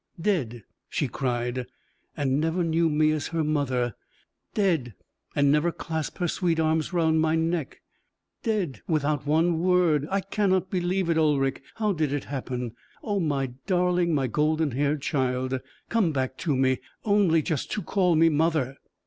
"Dead!" she cried, "and never knew me as her mother! Dead! and never clasped her sweet arms round my neck! Dead! without one word! I cannot believe it, Ulric. How did it happen? Oh, my darling, my golden haired child, come back to me, only just to call me mother!